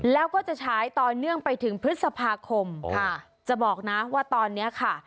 แล้วก็จะฉายต่อเนื่องไปถึงพฤษภาคมค่ะจะบอกนะว่าตอนนี้ค่ะ